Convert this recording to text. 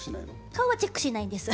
顔はチェックしないんです。